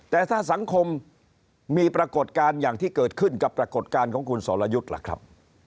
แต่ถ้าสังคมมีปรากฏการณ์อย่างที่เกิดขึ้นกับปรากฏการณ์ของคุณสรยุทธ์ล่ะครับ